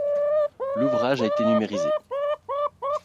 L'ouvrage a été numérisé.